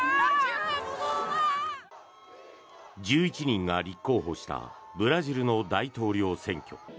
１１人が立候補したブラジルの大統領選挙。